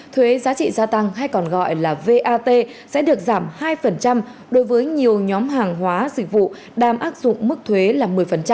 thuế giá trị gia tăng hay còn gọi là vat sẽ được giảm hai đối với nhiều nhóm hàng hóa dịch vụ đang áp dụng mức thuế là một mươi